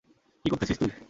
কি করতেছিস তুই?